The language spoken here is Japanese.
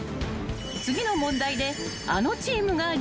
［次の問題で］